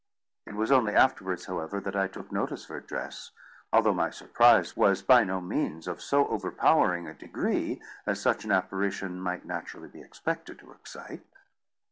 It was only afterwards, however, that I took notice of her dress, although my surprise was by no means of so overpowering a degree as such an apparition might naturally be expected to excite.